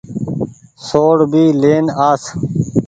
سوڙ ڀي لين آس۔